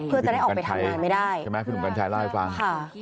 เพื่อจะได้ออกไปทำงานไม่ได้ใช่ไหมคุณหนุ่มกัญชัยเล่าให้ฟัง